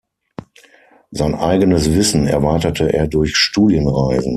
Sein eigenes Wissen erweiterte er durch Studienreisen.